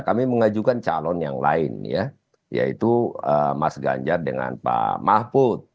kami mengajukan calon yang lain ya yaitu mas ganjar dengan pak mahfud